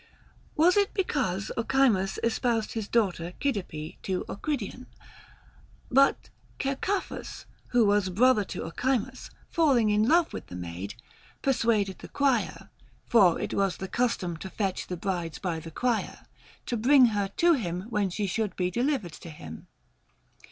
Was it because Ochimus espoused his daugh ter Cydippe to Ocridion ? But Cercaphus, who was brother to Ochimus, falling in love with the maid, persuaded the crier (for it was the custom to fetch the brides by the crier) to bring her to him when she should be delivered to him.